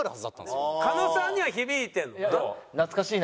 狩野さんには響いてるの？